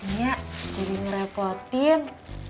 nyak jadi ngerepotin